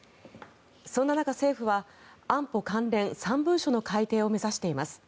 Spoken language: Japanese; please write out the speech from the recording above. そんな中、政府は安保関連３文書の改訂を目指しています。